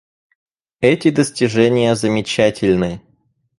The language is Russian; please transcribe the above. Эти достижения замечательны.